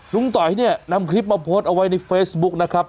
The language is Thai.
ต่อยเนี่ยนำคลิปมาโพสต์เอาไว้ในเฟซบุ๊กนะครับ